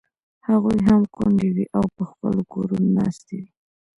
هغوی هم کونډې وې او په خپلو کورونو ناستې وې.